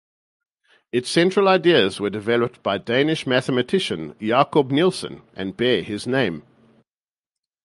Its central ideas were developed by Danish mathematician Jakob Nielsen, and bear his name.